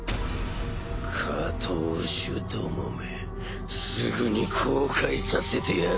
下等種どもめすぐに後悔させてやる！